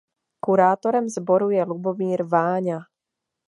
Kurátorem sboru je Lubomír Váňa.